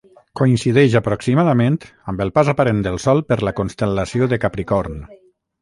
Coincideix aproximadament amb el pas aparent del Sol per la constel·lació de Capricorn.